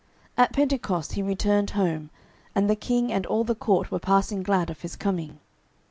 At Pentecost he returned home, and the King and all the court were passing glad of his coming.